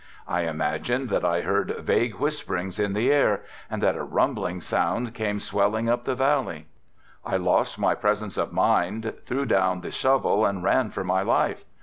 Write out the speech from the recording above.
I imagined that I heard vague whisperings in the air and that a rumbling sound came swelling up the valley. I lost my presence of mind, threw down the shovel and ran for my life.